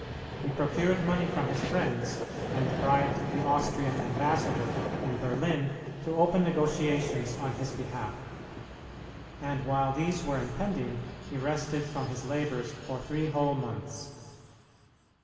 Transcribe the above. He procured money from his friends, and bribed the Austrian ambassador in Berlin to open negotiations on his behalf, and while these were impending he rested from his labors for three whole months.